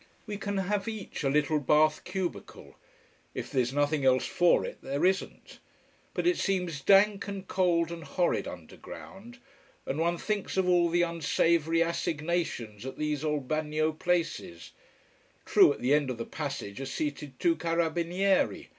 We can have each a little bath cubicle. If there's nothing else for it, there isn't: but it seems dank and cold and horrid, underground. And one thinks of all the unsavory "assignations" at these old bagnio places. True, at the end of the passage are seated two carabinieri.